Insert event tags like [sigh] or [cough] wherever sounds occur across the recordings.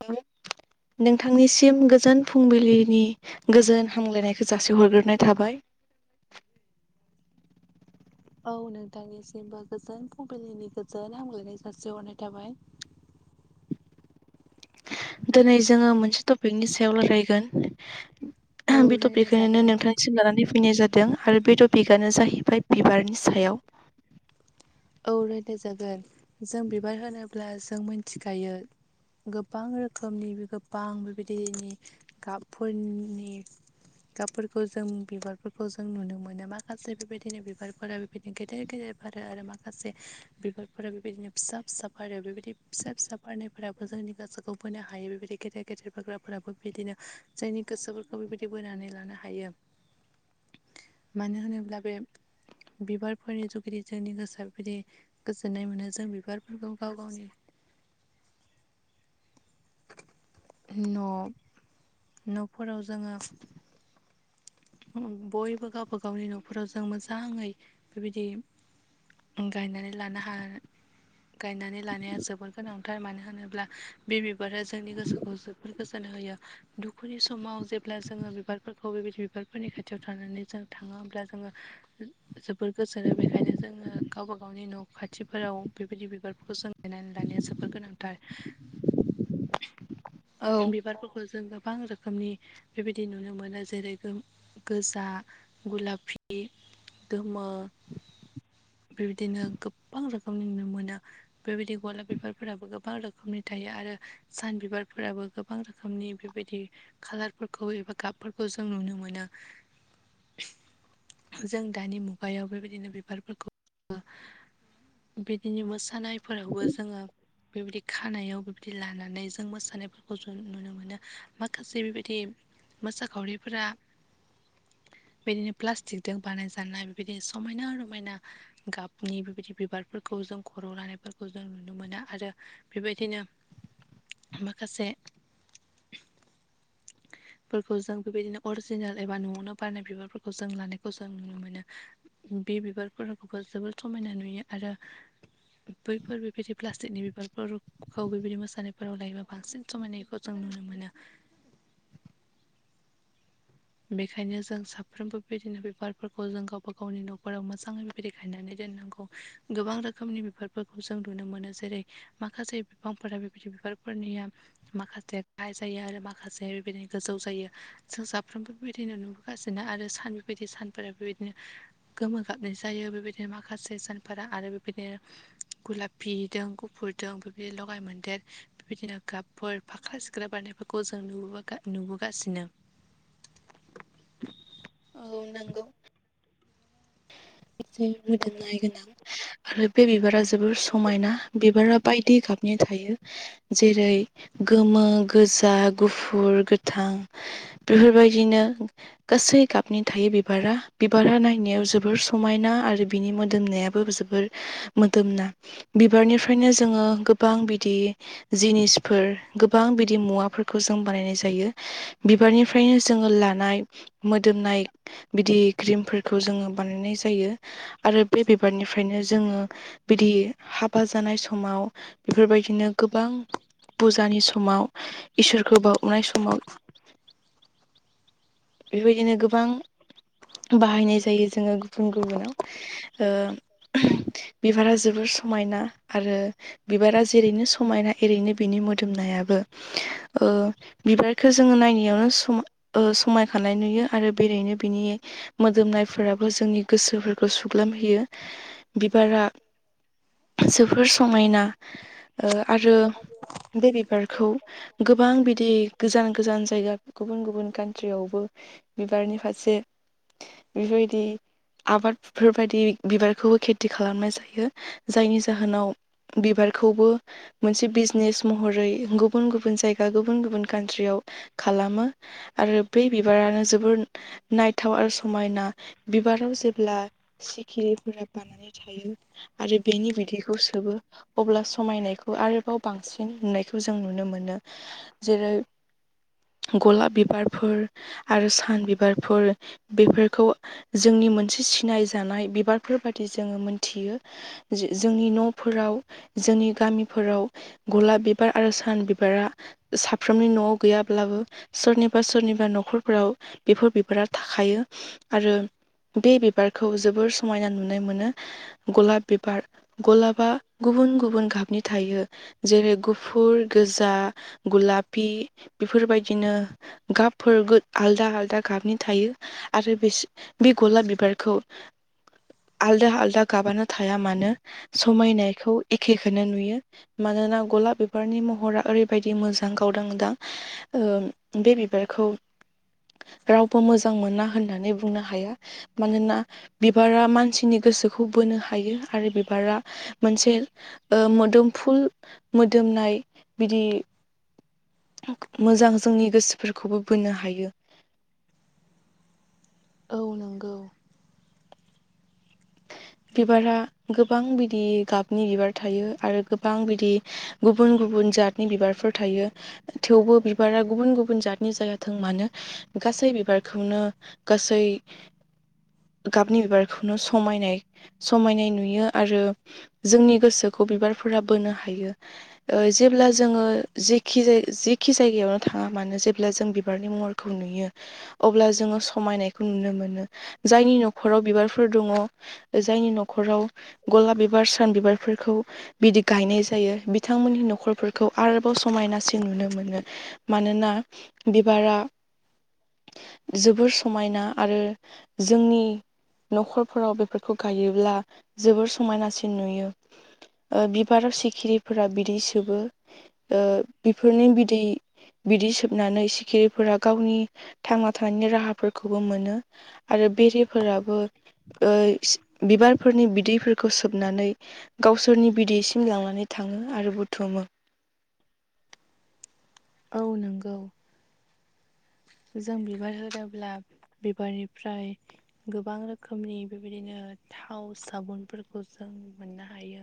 [inaudible] नोंथांनिसिम गोजोन फुंबिलिनि गोजोन हामलायनायखौ जासिहरग्रोनाय थाबाय। औ नोंथांनिसिमबो गोजोन फुंबिलिनि गोजोन हामलायनाय जासि हरनाय थाबाय दिनै जोङो मोनसे टपिकनि सायाव औ रायलायगोन बे टपिकखौ रायलायजागोन। नोंथां सिन लानानै फैनाय जादों आरो बे टपिकआनो जाहैबाय बिबारनि सायाव। औ रायलाय जागोन जों बिबार होनोब्ला जों मिथिखायो गोबां रोखोमनि गोबां बेबायदिनि गाबफोरनि गाबफोरखौ जों बिबारफोरखौ जों नुनो मोनो माखासे बेबायदिनो बिबारफोरा बिदिनो गेदेर गेदेरफोर आरो माखासे बिगारफोरा बेबायदिनो फिसा फिसा बारो बेबायदि फिसा फिसा बारनायफोराबो जोंनि गोसोखौ बोनो हायो बेबायदि गेदेर गेदेर बारग्राफोराबो बिदिनो जायनि गोसोफोरखौ बेबायदि बोनानै लानो हायो [inaudible] मानो होनोब्ला बे बिबारफोरनि जुगिदि जोंनि गोसो बिदि गोजोन्नाय मोनो जों बिबारफोरखौ गाव गावनि न' न'फोराव जोङो बयबो गावबा गावनि न'खराव जों मोजाङै बेबायदि गायनानै लानो हानाय गायनानै लानाया जोबोर गोनांथार मानो होनोब्ला बे बिबारा जोंनि गोसोखौ जोबोर गोजोन होयो दुखुनि समाव जेब्ला जोङो बिबारफोरखौ बेबायदि बिबार फोरनि खाथियाव थानानै जों थाङो होमब्ला जोङो जोबोर गोजोनो बेखायनो जोङो गावबा गावनि न' खाथिफोराव बेबायदि बिबारफोरखौ जों गायनानै लानाया जोबोर गोनांथार औ बिबारफोरखौ जों गोबां रोखोम रोखोमनि बेबायदि नुनो मोनो जेरै गो गोजा गुलाफि गोमो बेबायदिनो गोबां रोखोमनि नुनो मोनो बेबायदि गलाब बिफारफोराबो गोबां रोखोमनि थायो आरो सान बिबारफोराबो गोबां रोखोमनि बेबायदि खालारफोरखौ एबा गाबफोरखौ जों नुनो मोनो [inaudible] जों दानि मुगायाव बेबायदिनो बिबारफोरखौ बिदिनो मोसानायफोरावबो जोङो बेबायदि खानायाव बिबायदि लाना नायजों मोसानायफोरखौ जों नुनो मोनो माखासे बेबायदि मोसाखावरिफोरा बिदिनो प्लास्टिकजों बानायजानाय बेबायदिनो समायना रमायना गाबनि बेबायदि बिबारफोरखौ जों खर' लानायफोरखौ जों नुनो मोनो आरो बेबायदिनो माखासे [inaudible] फोरखौ जों बेबायदिनो अरिजिनेल एबा न'आवनो बारनाय बिबारफोरखौ जों लानायखौ जों नुनो मोनो बे बिबारफोरखौबो जोबोर समायना नुयो आरो बैफोर बेबायदि प्लास्टिकनि बिबारफोरखौ बेबायदि मोसानाय फोराव लायोबा बांसिन समायनायखौ जों नुनो मोनो [inaudible] बेखायनो जों साफ्रोमबो बेबायदिनो बिबारफोरखौ जों गावबा गावनि न'खराव मोजाङै बेबायदि गायनानै दोननांगौ। गोबां रोखोमनि बिफारफोरखौ जों नुनो मोनो जेरै माखासे बिफांफोरा बेबायदि बिबारफोरनिया माखासे गाहाय जायो आरो माखासे बेबायदिनो गोजौ जायो। जों साफ्रोमबो बेबायदिनो नुबोगासिनो आरो सान बेबायदि सानफोरा बेबायदिनो गोमो गाबनाय जायो बेबायदिनो माखासे सानफोरा आरो बेबायदिनो गुलाफिदों गुफुरजों बेफोरबायदि लगाय मोनदेर बेबायदिनो गाबफोर फाख्रा सिख्रा बारनायफोरखौ जों नुबो नुबोगासिनो औ नंगौ एसे मदोननाय गोनां आरो बे बिबारा जोबोर समायना बिबारा बायदि गाबनि थायो। जेरै गोमो, गोजा, गुफुर, गोथां, बेफोरबायदिनो गासै गाबनि थायो बिबारा। बिबारा नायनायाव जोबोर स समायना आरो बिनि मोदोमनायाबो जोबोर मोदोमना। बिबारनिफ्रायनो जोङो गोबां बिदि जिनिसफोर गोबां बिदि मुवाफोरखौ जों बानायनाय जायो। बिबारनिफ्रायनो जोङो लानाय मोदोमनाय बिदि क्रिमफोर खौ जोङो बानायनाय जायो आरो बे बिबारनिफ्रायनो जोङो बिदि हाबा जानाय समाव बेफोरबायदिनो गोबां फुजानि समाव इसोरखौ बाउनाय समाव बेबायदिनो गोबां बाहायनाय जायो जोङो गुबुन गुबुनाव ओ बिबारा जोबोर समायना आरो बिबारा जेरैनो समायना एरैनो बिनि मोदोमनायाबो। ओ बिबारखो जोङो नायनायावनो समा ओ समाय खानाय नुयो आरो बेरेनो बिनि मोदोमनायफोराबो जोंनि गोसोफोरखौ सुग्लाम होयो। बिबारा जोबोर समायना। ओ आरो बे बिबारखौ गोबां बिदि गोजान गोजान जायगा गुबुन गुबुन कान्ट्रियाव बो बिबारनि फारसे बेफोरबायदि आबादफोरबायदि बिबारखौबो खेथि खालामनाय जायो। जायनि जाहोनाव बिबारखौबो मोनसे बिजनेस महरै गुबुन गुबुन जायगा गुबुन गुबुन कान्ट्रियाव खालामो। आरो बै बिबारानो जोबोर नायथाव आरो समायना। बिबाराव जेब्ला सिखिरिफोरा बानानै थायो आरो बेनि बिदैखौ सोबो अब्ला समायनायखौ आरोबाव बांसिन नुनायखौ जों नुनो मोनो। जेरै गलाब बिबारफोर आरो सान बिबारफोर बेफोरखौ जोंनि मोनसे सिनाय जानाय बिबारफोर बादि जोङो मोनथियो। जो-जोंनि न'फोराव जोंनि गामिफोराव गलाब बिबार आरो सान बिबारा साफ्रोमनि न'आव गैयाब्लाबो सोरनिबा सोरनिबा न' खरफोराव बेफोर बिबारा थाखायो। आरो बे बिबारखौ जोबोर समायना नुनाय मोनो। गलाब बिबार गलाबा गुबुन गुबुन गाबनि थायो। जेरै गुफुर, गोजा, गुलाफ बेफोरबायदिनो गाबफोरगो आलदा आलदा गाबनि थायो। आरो बेस बे गलाब बिबारखौ आलदा आलदा गाबानो थाया मानो समायनायखौ एखेखोनो नुयो। मानोना गलाब बिबारनि महरा ओरैबायदि मोजां गावदांदां ओ बे बिबारखौ रावबो मोजां मोना होननानै बुंनो हाया। मानोना बिबारा मानसिनि गोसोखौ बोनो हायो आरो बिबारा मोनसे ओ मोदोमफुल मोदोमनाय बिदि मोजां जोंनि गोसोफोरखौबो बोनो हायो। औ नंगौ। बिबारा गोबां बिदि गाबनि बिबार थायो। आरो गोबां बिदि गुबुन गुबुन जातनि बिबारफोर थायो। थेवबो बिबारा गुबुन गुबुन जातनि जायाथों मानो गासै बिबारखौनो गासै गाबनि बिबारखौनो समायनाय समायनाय नुयो आरो जोंनि गोसोखौ बिबारफोरा बोनो हायो। ओ जेब्ला जोङो जेखि जेखि जायगायावनो थाङा मानो जेब्ला जों बिबारनि महर खौ नुयो। अब्ला जोङो समायनायखौ नुनो मोनो जायनि न'खराव बिबारफोर दङ। जायनि न'खराव गलाब बिबार सान बिबारफोरखौ बिदि गायनाय जायो बिथांमोननि न'खरफोरखौ आरोबाव समायनासिन नुनो मोनो। मानोना बिबारा जोबोर समायना। आरो जोंनि न'खरफोराव बेफोर खौ गायोब्ला जोबोर समायनासिन नुयो। ओ बिबाराव सिखिरिफोरा बिदै सोबो। ओ बिफोरनि बिदै बिदै सोबनानै सिखिरिफोरा गावनि थांना थानायनि राहाफोरखौबो मोनो। आरो बेरेफोराबो बिबारफोरनि बिदैफोरखौ सोबनानै गावसोरनि बिदैसिम लांनानै थाङो आरो बुथुमो। औ नोंगौ। जों बिबार होनोब्ला बिबारनिफ्राय गोबां रोखोमनि बेबायदिनो थाव साबुनफोरखौ जों मोननो हायो।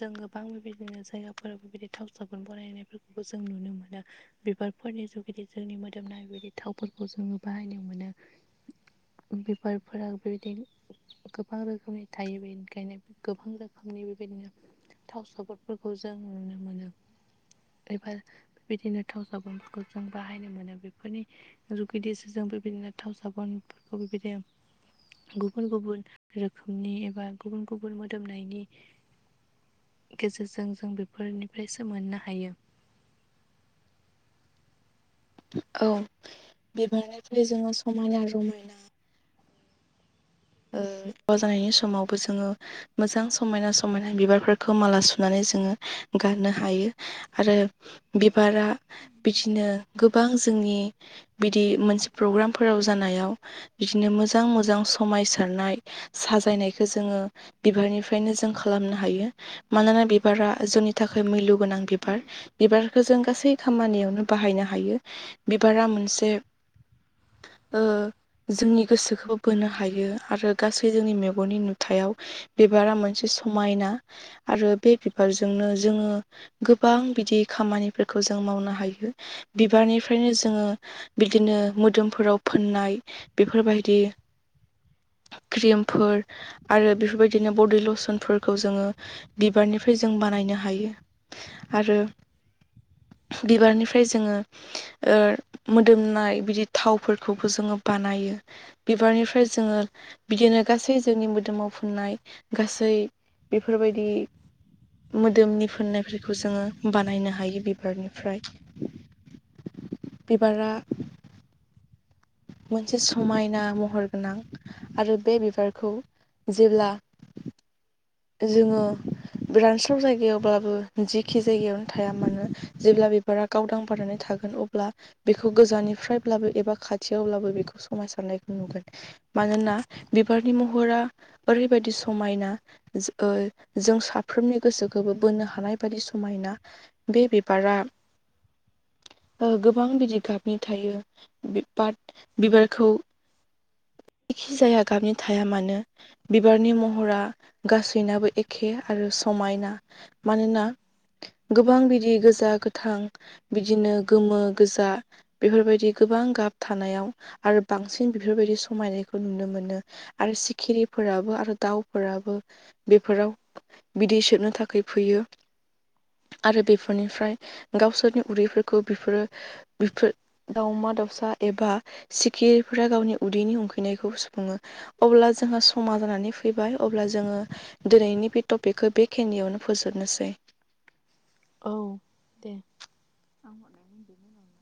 जों गोबां बेबायदिनो जायगाफोराव बेबायदि थाव साबुन बनायनायफोरखौबो जों नुनो मोनो। बिबारफोरनि जुगेदि जोंनि मोदोमनाय बेबायदि थावफोरखौ जोङो बाहायनो मोनो। बिबारफोरा बेदिनो गोबां रोखोमनि थायो बेखायनो गोबां रोखोमनि बेबायदिनो थाव साबुनफोरखौ जों नुनो मोनो एबा बिदिनो थाव साबोनफोरखौ जों बाहायनो मोनो बेफोरनि जों बेबायदिनो थाव साबोनफोरखौ बेबायदिनो गुबुन गुबुन रोखोमनि एबा गुबुन गुबुन मोदोमनायनि गेजेरजों जों बेफोरनिफ्रायसो मोननो हायो। औ बिबारनिफ्राय जोङो समायना रमायना [inaudible] ओ अ जानायनि समावबो जोङो। मोजां समायना समायना बिबारफोरखौ माला सुनानै जोङो गाननो हायो। आरो बिबारा बिदिनो गोबां जोंनि बिदि मोनसे प्रग्रामफोराव जानायाव बिदिनो मोजां मोजां समायसारनाय साजायनायखौ जोङो बिबारनिफ्रायनो जों खालामनो हायो मानोना बिबारा जोंनि थाखाय मैलु गोनां बिबार बिबारखौ जों गासै खामानियावनो बाहायनो हायो बिबारा मोनसे ओ जोंनि गोसोखौ बोनो। हायो आरो गासै जोंनि मेगननि नुथायाव बिबारा मोनसे समायना आरो बे बिबारजोंनो जोङो गोबां बिदि खामानिफोरखौ जों मावनो हायो। बिबारनिफ्रायनो जोङो बिदिनो मोदोमफोराव फोननाय बेफोरबायदि क्रिमफोर आरो बेफोरबायदिनो बडि लसनफोरखौ जोङो बिबारनिफ्राय जों बानायनो हायो। आरो बिबारनिफ्राय जोङो मोदोमनाय बिदि थावफोरखौबो जोङो बानायो बिबारनिफ्राय जोङो बिदिनो गासै जोंनि मोदोमाव फुननाय गासै बेफोरबायदि मोदोमनि फोननायफोरखौ जोङो बानायनो हायो बिबारनिफ्राय बिबारा मोनसे समायना महर गोनां आरो बे बिबारखौ जेब्ला जोङो रानस्राव जायगायावब्लाबो जिखि जायगायावनो थाया मानो जेब्ला बिबारा गावदां बारनानै थागोन अब्ला बेखौ गोजाननिफ्रायब्लाबो एबा खा थिवब्लाबो बेखौ समायसारनायखौ नुगोन मानोना बिबारनि महरा ओरैबायदि समायना। जों ओ साफ्रोम बे बिबारा गोबां बिदि गाबनि थायो बिबारखौ। जायखि जाया गाबनि थाया मानो बिबारनि महरा गासैनाबो एखे आरो समायना मानोना गोबां बिदि गोजा गोथां बिदिनो गोमो गोजा बेफोरबायदि गोबां गाब थानायाव आरो बांसिन बेफोरबायदि समायनायखौ नुनो मोनो। आरो सिखिरिफोराबो आरो दाउफोराबो बेफोराव। बिदै सोबनो थाखाय फैयो आरो बेफोरनिफ्राय। गावसोरनि उदैफोरखौ बिफोरो बेफोर दावमा दाउसा एबा सिखिरिफोरा गावनि उदैनि उंखैनायखौ सुफुङो अब्ला जोंहा। समा जानानै फैबाय अब्ला जोङो दिनैनि बे टपिकखौ बेखिनियावनो फोजोबनोसै। औ दे आ हर